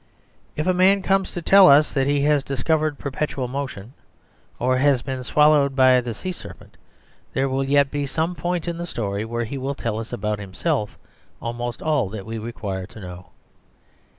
If a man comes to tell us that he has discovered perpetual motion, or been swallowed by the sea serpent, there will yet be some point in the story where he will tell us about himself almost all that we require to know.